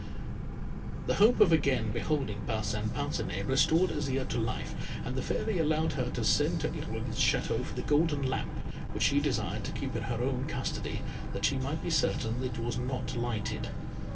The hope of again beholding Parcin Parcinet restored Azire to life, and the Fairy allowed her to send to Irolite's Château for the golden lamp, which she desired to keep in her own custody, that she might be certain it was not lighted.